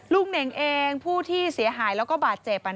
เน่งเองผู้ที่เสียหายแล้วก็บาดเจ็บ